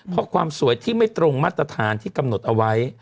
เพราะความสวยที่ไม่ตรงมาตรฐานที่กำหนดเอาไว้